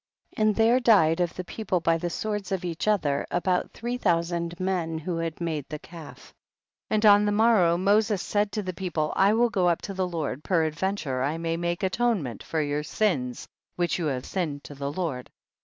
20. And there died of the people by the swords of each other about three thousand men who had made the calf. 21. And on the morrow Moses said to the people, I will go up to the Lord, peradventure I may make atonement for your sins which you have sinned to the Lord.